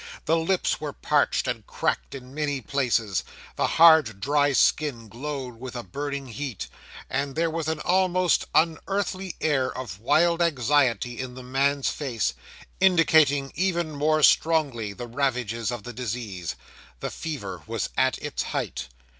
The lips were parched, and cracked in many places; the hard, dry skin glowed with a burning heat; and there was an almost unearthly air of wild anxiety in the man's face, indicating even more strongly the ravages of the disease. The fever was at its height.